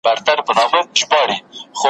سوځول مي خلوتونه هغه نه یم ,